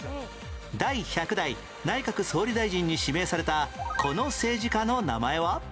第１００代内閣総理大臣に指名されたこの政治家の名前は？